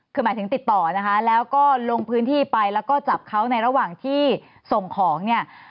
คือหมายถึงติดต่อนะคะแล้วก็ลงพื้นที่ไปแล้วก็จับเขาในระหว่างที่ส่งของเนี่ย